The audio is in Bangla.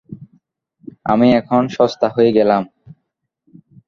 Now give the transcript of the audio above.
আমি এখন সস্তা হয়ে গেলাম?